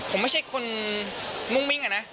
ผมไม่ใช่คนมุ่งมิ้งอะนะ